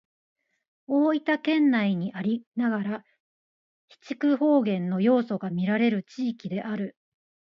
大分県内にありながら肥筑方言の要素がみられる地域である。